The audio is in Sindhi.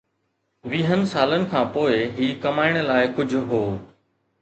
ويهن سالن کان پوء، هي ڪمائڻ لاء ڪجهه هو؟